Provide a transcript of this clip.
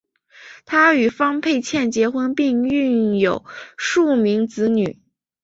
他与方佩倩结婚并育有数名子女。